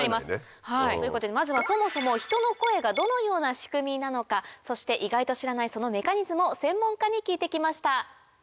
まずはそもそも人の声がどのような仕組みなのかそして意外と知らないそのメカニズムを専門家に聞いてきました。